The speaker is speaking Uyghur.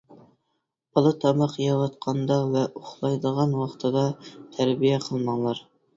بالا تاماق يەۋاتقاندا ۋە ئۇخلايدىغان ۋاقتىدا تەربىيە قىلماڭلار.